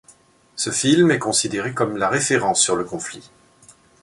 Ce film, est considéré comme la référence sur le conflit.